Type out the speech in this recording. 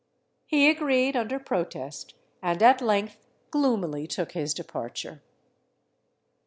He agreed under pro test, and at length gloomily took his departure.